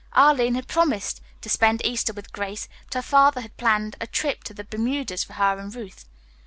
Arline had promised to spend Easter with Grace, but her father had planned a trip to the Bermudas for her and Ruth.